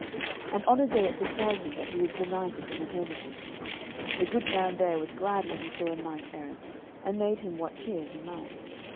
And on a day it befell him that he was benighted in a hermitage. The good man there was glad when he saw a knight errant, and made him what cheer he might.